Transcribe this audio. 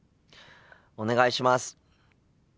お願いします。